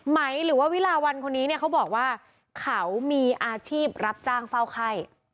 ไหมหรือว่าวิลาวันคนนี้เนี่ยเขาบอกว่าเขามีอาชีพรับจ้างเฝ้าไข้